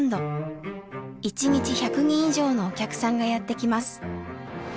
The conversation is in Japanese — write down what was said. １日１００人以上のお客さんがやって来ます。